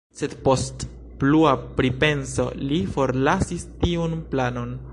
Sed post plua pripenso li forlasis tiun planon.